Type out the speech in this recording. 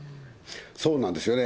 そうなんですよね。